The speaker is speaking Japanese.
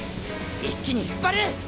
一気に引っ張る。